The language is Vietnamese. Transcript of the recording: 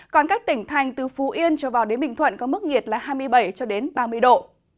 còn các tỉnh thành từ phú yên trở vào đến bình thuận có mức nhiệt là hai mươi bảy ba mươi độ